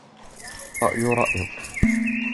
الرأي رأيك.